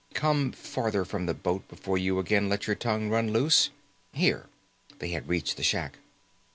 "Come further from the boat before you again let your tongue run loose. Here." They had reached the shack.